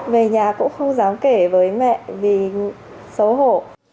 về nhà cũng không dám kể với mẹ vì xấu hổ